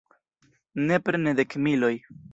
Nepre ne dekmiloj.